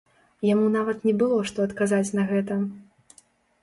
Яму нават не было што адказаць на гэта.